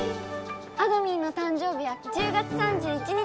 あどミンの誕生日は１０月３１日。